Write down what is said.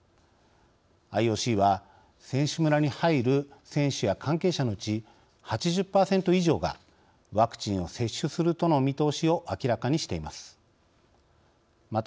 ＩＯＣは、選手村に入る選手や関係者のうち８０％以上がワクチンを接種するとの見通しを明らかにしています。